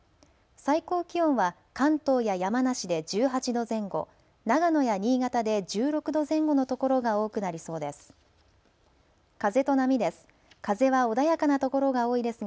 最高気温は関東や山梨で１８度前後、長野や新潟で１６度前後の所が多くなりそうです。